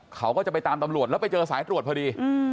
เขาก็จะไปตามตำรวจแล้วไปเจอสายตรวจพอดี